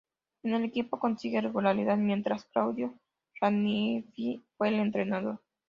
En el equipo consigue regularidad mientras Claudio Ranieri fue el entrenador.